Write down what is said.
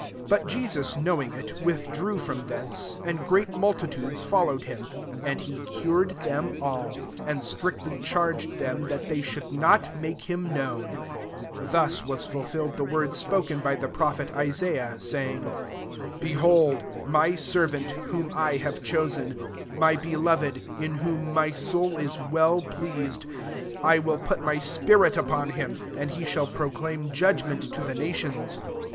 15 But Jesus knowing it withdrew from thence : and great multitudes followed him, and he cured them all ; 16 and strictly charged them that they should not make him known : 17 thus was fulfilled the word spoken by the prophet Isaiah, saying, 18 " Behold my ser vant, whom I have chosen ; my beloved, in whom my soul is well pleased : I will put my spirit upon him, and he shall pro claim judgment to the nations.